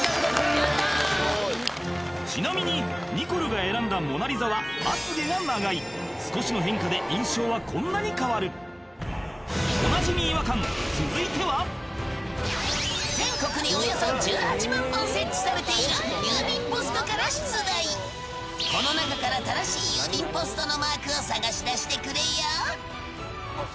やったちなみにニコルが選んだモナ・リザはまつげが長い少しの変化で印象はこんなに変わるおなじみ違和感続いては「この中から正しい郵便ポストの」「マークを探し出してくれよ」